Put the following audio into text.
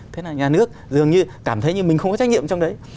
thế là nhà nước dường như cảm thấy như mình không có trách nhiệm trong đấy